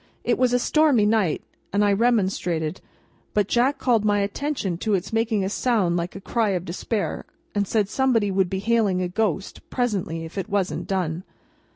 It was a stormy night and I remonstrated; but Jack called my attention to its making a sound like a cry of despair, and said somebody would be "hailing a ghost" presently, if it wasn't done.